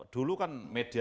dulu kan media